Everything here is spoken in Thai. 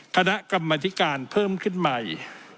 คณะกรรมธิการเพิ่มขึ้นใหม่